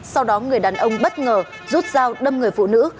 sau đó người đàn ông bất ngờ rút dao đâm người phụ nữ